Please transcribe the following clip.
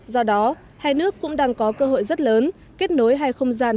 do đó hai nước cũng đang có cơ hội rất lớn kết nối hai không gian